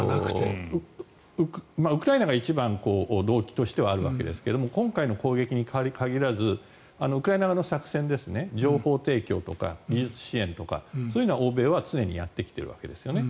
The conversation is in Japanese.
例えば、ウクライナが一番動機としてはあるわけですが今回の攻撃に限らずウクライナ側の作戦ですね情報提供とか技術支援とかそういうのは欧米は常にやってきているわけですね。